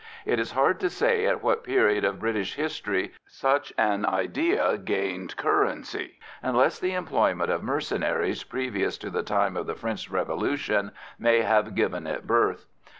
It is hard to say at what period of British history such an idea gained currency, unless the employment of mercenaries previous to the time of the French Revolution may have given it birth.